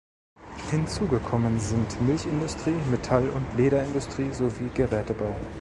Hinzugekommen sind Milchindustrie, Metall- und Lederindustrie sowie Gerätebau.